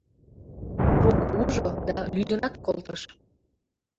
Трук ужо да лӱдынат колтыш.